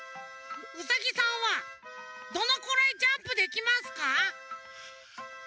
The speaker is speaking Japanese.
ウサギさんはどのくらいジャンプできますか？